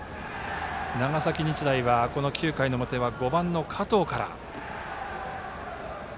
長崎日大は９回の表は５番の加藤から。